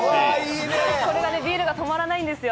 これがビールが止まらないんですよ。